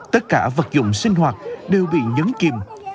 tất cả vật dụng sinh hoạt đều bị nhấn kìm